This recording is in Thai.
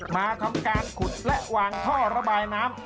มาทำการขุดและวางท่อระบายน้ำ